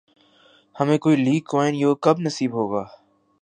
ہمیں کوئی لی کوآن یو کب نصیب ہوگا؟